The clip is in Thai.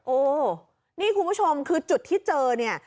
โอ้นี่คุณผู้ชมคือจุดที่เจอเนี่ย